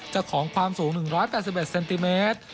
เจ้าของความสูง๑๘๑เซนติเมตร